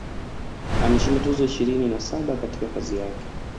Ameshinda tuzo ishirini na saba katika kazi yake